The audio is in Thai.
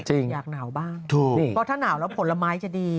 จริงถ้าหนาวบ้างถูกพอถ้าหนาวแล้วผลไม้จะดี